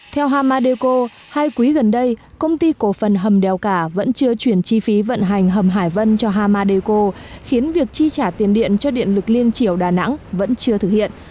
theo hamadeco hai quý gần đây công ty cổ phần hầm đèo cả vẫn chưa chuyển chi phí vận hành hầm hải vân cho hamadeco khiến việc chi trả tiền điện cho điện lực liên triều đà nẵng vẫn chưa thực hiện